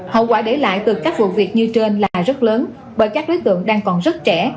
hậu quả để lại từ các vụ việc như trên là rất lớn bởi các đối tượng đang còn rất trẻ